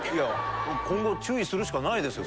今後注意するしかないですよ